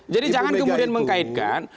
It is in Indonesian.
jadi jangan kemudian mengkaitkan